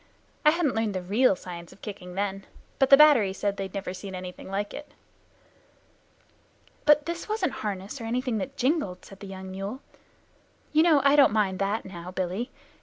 I hadn't learned the real science of kicking then, but the battery said they had never seen anything like it." "But this wasn't harness or anything that jingled," said the young mule. "You know I don't mind that now, Billy.